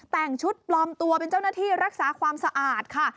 แต่งชุดปลอมตัวเป็นเจ้าหน้าที่รักษาความสะอาดค่ะ